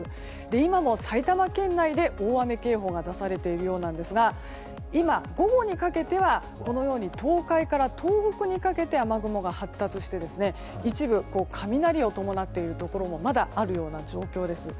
今も埼玉県内で大雨警報が出されているようなんですが今、午後にかけては東海から東北にかけて雨雲が発達して一部雷を伴っているところもまだ、あるような状況です。